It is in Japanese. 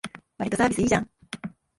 わりとサービスいいじゃん